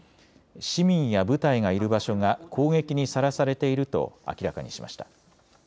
市民や部隊がいる場所が攻撃にさらされていると明らかにしました。